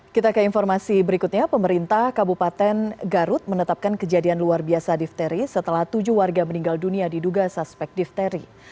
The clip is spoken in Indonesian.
kita ke informasi berikutnya pemerintah kabupaten garut menetapkan kejadian luar biasa difteri setelah tujuh warga meninggal dunia diduga suspek difteri